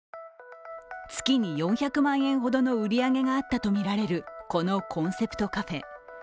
月に４００万円ほどの売り上げがあったとみられるこのコンセプトカフェ。